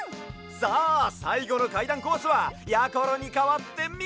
さあさいごのかいだんコースはやころにかわってみもも！